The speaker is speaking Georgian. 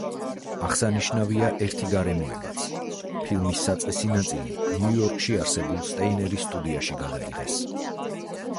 აღსანიშნავია, ერთი გარემოებაც, ფილმის საწყისი ნაწილი ნიუ-იორკში არსებულ სტეინერის სტუდიაში გადაიღეს.